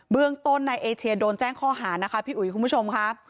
เรื่องต้นนายเอเชียโดนแจ้งข้อหานะคะพี่อุ๋ยคุณผู้ชมค่ะ